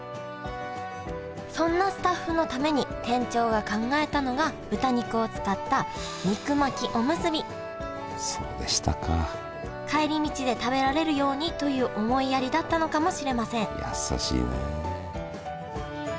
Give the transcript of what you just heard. そんなスタッフのために店長が考えたのが豚肉を使った肉巻きおむすび帰り道で食べられるようにという思いやりだったのかもしれません優しいね。